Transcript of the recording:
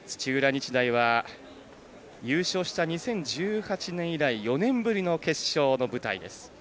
日大は優勝した２０１８年以来４年ぶりの決勝の舞台です。